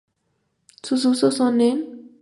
Sus usos son en